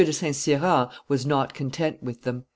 de St. Cyran was not content with them.